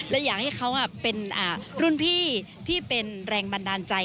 และอยากให้เขาเป็นรุ่นพี่ที่เป็นแรงบันดาลใจ